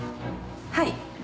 はい。